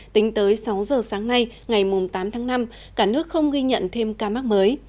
tính tới sáu giờ sáng nay ngày tám tháng năm cả nước không ghi nhận thêm ca mắc mới